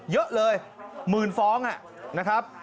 เยอะเลย๑๐๐๐๐ฟองนะครับ